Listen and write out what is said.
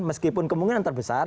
meskipun kemungkinan terbesar